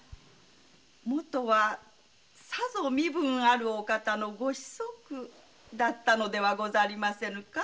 もとはさぞ身分あるお方のご子息だったのではござりませぬか？